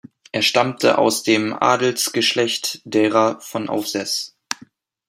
Er stammte aus dem Adelsgeschlecht derer von Aufseß.